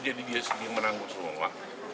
jadi dia sendiri menangguh semua